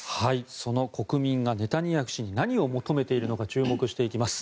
その国民がネタニヤフ氏に何を求めているのか注目していきます。